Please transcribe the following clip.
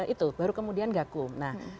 itu baru kemudian gagum